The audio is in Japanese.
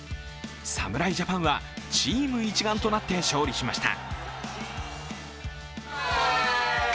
侍ジャパンはチーム一丸となって勝利しました。